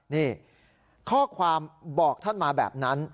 นี่ข้อความบอกท่านมาแบบนั้น